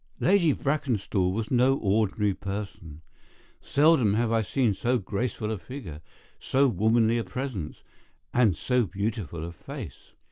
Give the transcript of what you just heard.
Lady Brackenstall was no ordinary person. Seldom have I seen so graceful a figure, so womanly a presence, and so beautiful a face.